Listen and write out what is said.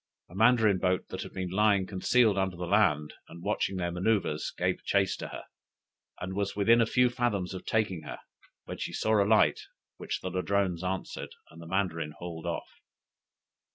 A Mandarin boat that had been lying concealed under the land, and watching their manoeuvres, gave chace to her, and was within a few fathoms of taking her, when she saw a light, which the Ladrones answered, and the Mandarin hauled off.